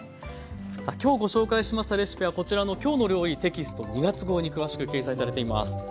さあ今日ご紹介しましたレシピはこちらの「きょうの料理」テキスト２月号に詳しく掲載されています。